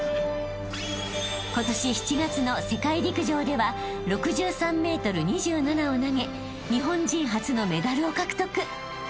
［今年７月の世界陸上では６３ｍ２７を投げ日本人初のメダルを獲得］